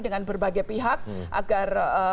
dengan berbagai pihak agar